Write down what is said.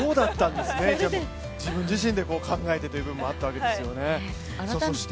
自分自身で考えてということもあったんですね。